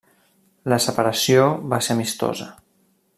La separació va ser amistosa.